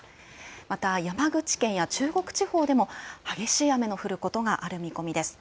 また、山口県や中国地方でも、激しい雨の降ることがある見込みです。